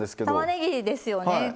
たまねぎですよね。